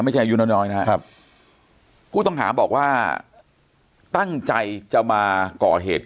ไม่ใช่อายุน้อยน้อยนะครับครับกูต้องหาบอกว่าตั้งใจจะมาก่อเหตุ